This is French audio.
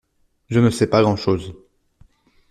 Je ne sais pas grand-chose.